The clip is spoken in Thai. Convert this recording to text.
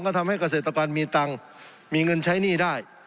ก็ทำให้เกษตรกรมีตังค์มีเงินใช้หนี้ได้